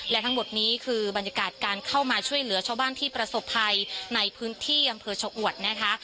และทั้งหมดนี้คือบรรยากาศการเข้ามาช่วยเหลือชาวบ้านที่ประสบภัยในพื้นที่อำเภอชะอวดนะคะ